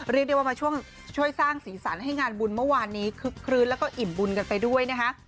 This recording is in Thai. เรียกได้ว่ามาช่วยสร้างสีสันให้งานบุญเมื่อวานนี้คึกคลื้นแล้วก็อิ่มบุญกันไปด้วยนะคะ